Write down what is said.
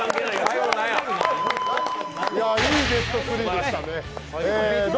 いいベスト３でしたね。